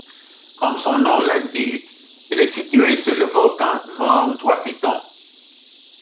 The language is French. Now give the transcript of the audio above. Comme son nom l'indique, il est situé sur le volcan Morne Trois Pitons.